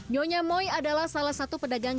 nyonya moi adalah salah satu pedagang